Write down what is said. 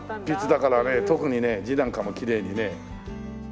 達筆だからね特にね字なんかもきれいにね。